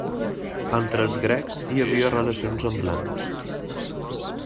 Entre els grecs hi havia relacions semblants.